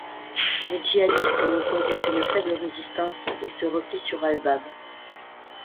Les djihadistes n'opposent qu'une faible résistance et se replient sur Al-Bab.